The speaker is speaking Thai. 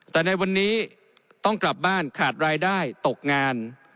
แต่ในวันนี้ต้องกลับบ้านขาดรายได้ตกงาน